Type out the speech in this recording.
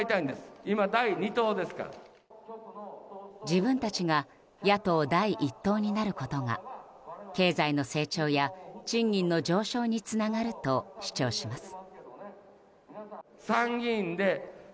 自分たちが野党第一党になることが経済の成長や賃金の上昇につながると主張します。